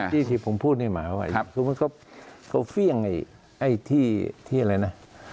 ที่ที่ผมพูดในหมาไว้คือมันก็เฟี่ยงไอ้ที่อะไรนะ